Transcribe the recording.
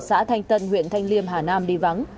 xã thanh tân huyện thanh liêm hà nam đi vắng